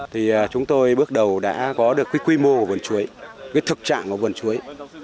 thì chúng tôi bước đầu đã có được cái quy mô của vườn chuối cái thực trạng của vườn chuối